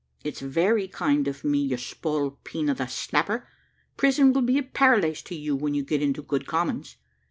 "It's very kind of me, you spalpeen of the Snapper. Prison will be a paradise to you, when you get into good commons.